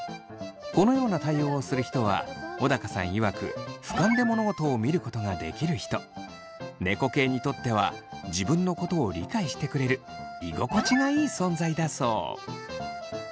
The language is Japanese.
このような対応をする人は小高さんいわく猫系にとっては自分のことを理解してくれる居心地がいい存在だそう。